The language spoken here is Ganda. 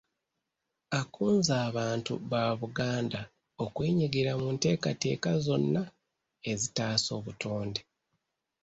Akunze abantu ba Buganda okwenyigira mu nteekateeka zonna ezitaasa obutonde.